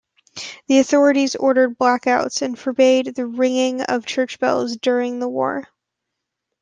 The authorities ordered blackouts and forbade the ringing of church bells during the war.